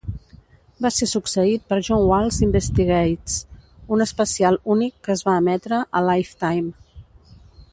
Va ser succeït per "John Walsh Investigates", un especial únic que es va emetre a Lifetime.